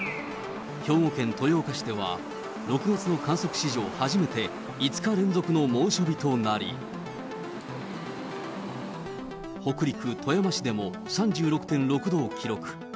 兵庫県豊岡市では、６月の観測史上初めて、５日連続の猛暑日となり、北陸、富山市でも３６．６度を記録。